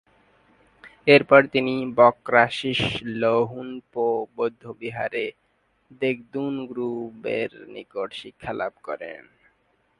এরপর তিনি ব্ক্রা-শিস-ল্হুন-পো বৌদ্ধবিহারে দ্গে-'দুন-গ্রুবের নিকট শিক্ষালাভ করেন।